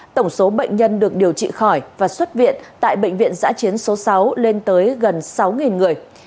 tổng số bệnh nhân được điều trị khỏi và xuất viện tại bệnh viện giã chiến số sáu lên tới gần sáu người